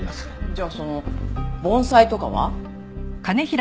じゃあその盆栽とかは？